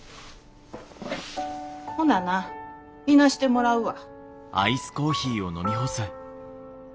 ほなないなしてもらうわ。